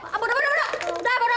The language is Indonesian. aduh udah udah udah